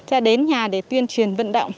ra đến nhà để tuyên truyền vận động